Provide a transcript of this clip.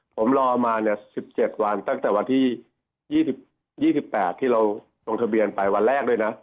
ผมรอมา๑๗วันตั้งแต่วันที่๒๘ที่เราลงทะเบียนไปวันแรกด้วยนะ